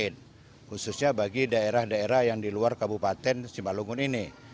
khususnya bagi daerah daerah yang di luar kabupaten simalungun ini